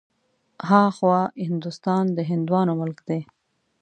ها خوا هندوستان د هندوانو ملک دی.